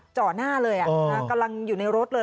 จ่อหน้าเลยกำลังอยู่ในรถเลย